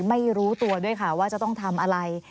ไม่รู้ตัวด้วยค่ะว่าจะต้องทำอะไร